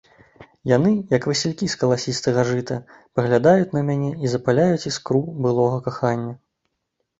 Яны, як васількі з каласістага жыта, паглядаюць на мяне і запаляюць іскру былога кахання.